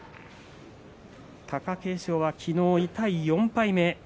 貴景勝は昨日、痛い４敗目。